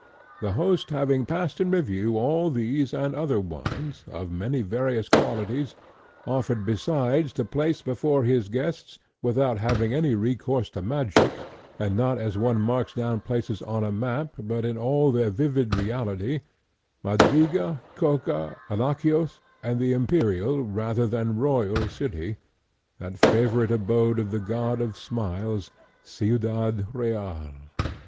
The host having passed in review all these and other wines, of many various qualities, offered besides to place before his guests, without having any recourse to magic, and not as one marks down places on a map, but in all their vivid reality, Madriga, Coca, Alacjos, and the imperial, rather than royal city—that favourite abode of the god of smiles—Ciudad Real.